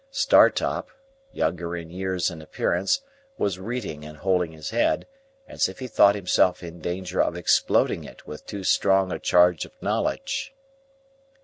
Startop, younger in years and appearance, was reading and holding his head, as if he thought himself in danger of exploding it with too strong a charge of knowledge.